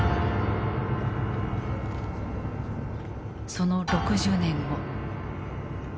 その６０年後。